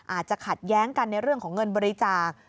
อาจจะขัดแย้งกันในเรื่องของเงินบริจาค